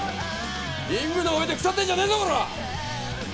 リングの上で腐ってんじゃねえぞコラ！